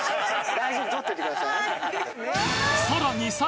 大事に取っといてくださいね。